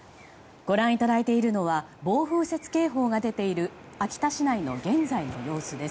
ご覧いただいているのは暴風雪警報が出ている秋田市内の現在の様子です。